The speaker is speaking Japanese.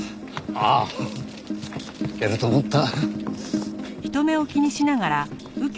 ああやると思った。